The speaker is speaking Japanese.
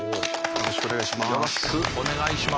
よろしくお願いします。